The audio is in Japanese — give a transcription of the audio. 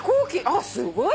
あっすごい。